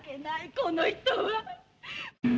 この人は。